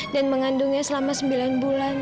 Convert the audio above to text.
dan mengandungnya selama sembilan bulan